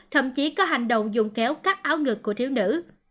thậm chí có hành động dùng kéo cắt áo ngược của thiếu nữ